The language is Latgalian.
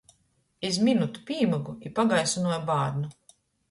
Iz minutu pīmygu i pagaisynuoju bārnu...